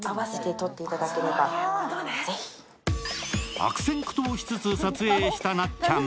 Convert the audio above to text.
悪戦苦闘しつつ撮影したなっちゃん。